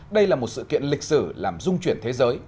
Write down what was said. đây là một sự kiện lịch sử làm dung chuyển thế giới